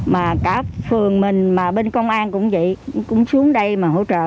mà cả phường mình mà bên công an cũng vậy cũng xuống đây mà hỗ trợ